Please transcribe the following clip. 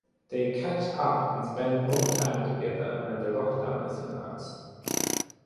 They catch up and spend more time together when the lockdown is announced.